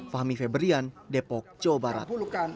fahmi febrian depok jawa barat